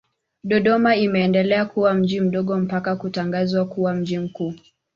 Dodoma imeendelea kuwa mji mdogo mpaka kutangazwa kuwa mji mkuu.